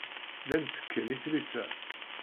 Llan ttekken i tlisa.